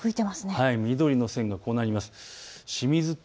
緑の線が、こうなります。